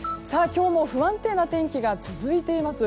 今日も不安定な天気が続いています。